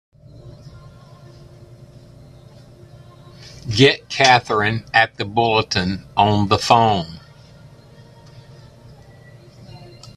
Get Katherine at the Bulletin on the phone!